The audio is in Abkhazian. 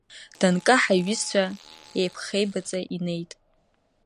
Данкаҳа, иҩызцәа еиԥхеибаҵа инеит.